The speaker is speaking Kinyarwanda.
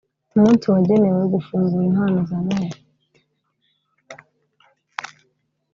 umunsi wagenewe gufungura impano za Noheli